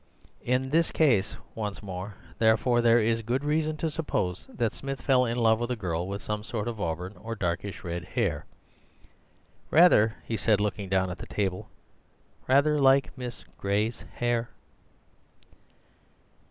In this case once more, therefore, there is good reason to suppose that Smith fell in love with a girl with some sort of auburn or darkish red hair—rather," he said, looking down at the table, "rather like Miss Gray's hair."